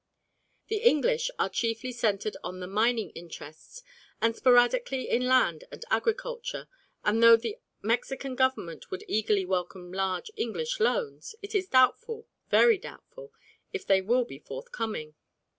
The English are chiefly centred on the mining interests, and sporadically in land and agriculture, and though the Mexican Government would eagerly welcome large English loans, it is doubtful, very doubtful, if they will be forthcoming.